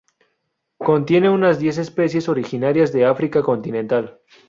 Contiene unas diez especies originarias de África continental.